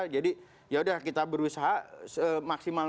jadi ya udah kita berusaha maksimal